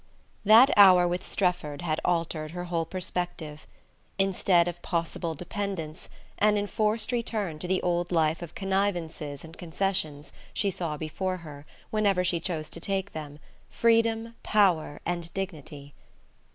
THAT hour with Strefford had altered her whole perspective. Instead of possible dependence, an enforced return to the old life of connivances and concessions, she saw before her whenever she chose to take them freedom, power and dignity.